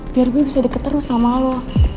biar gue bisa deket terus sama lo